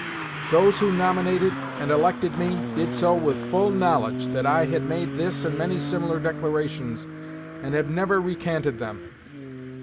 Those who nominated and elected me did so with full knowledge that I had made this and many similar declarations, and have never recanted them....